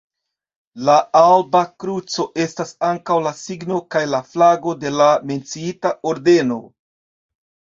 La alba kruco estas ankaŭ la signo kaj la flago de la menciita ordeno.